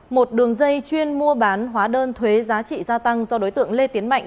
một đường dây chuyên mua bán hóa đơn thuế giá trị gia tăng do đối tượng lê tiến mạnh